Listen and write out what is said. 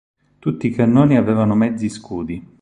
Tutti i cannoni avevano mezzi scudi.